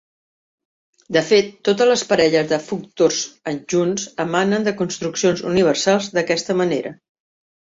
De fet, totes les parelles de functors adjunts emanen de construccions universals d'aquesta manera.